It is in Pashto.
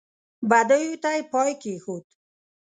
بدیو ته یې پای کېښود.